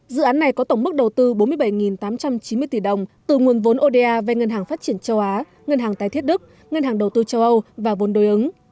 dự án này có tổng mức đầu tư bốn mươi bảy tám trăm chín mươi tỷ đồng từ nguồn vốn oda về ngân hàng phát triển châu á ngân hàng tài thiết đức ngân hàng đầu tư châu âu và vốn đối ứng